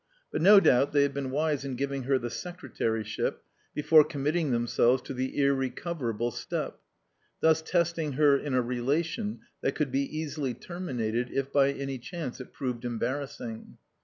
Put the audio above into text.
But no doubt they had been wise in giving her the secretaryship before committing themselves to the irrecoverable step; thus testing her in a relation that could be easily terminated if by any chance it proved embarrassing.